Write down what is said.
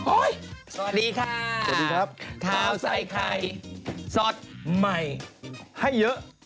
สวัสดีค่ะสวัสดีครับข้าวใส่ไข่สดใหม่ให้เยอะ